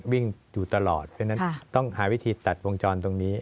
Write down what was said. วิ่งอยู่ตลอดเพราะฉะนั้นต้องหาวิธีตัดวงจรตรงนี้